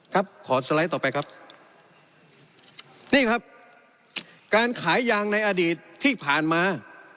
ขอสไลด์ต่อไปครับนี่ครับการขายยางในอดีตที่ผ่านมา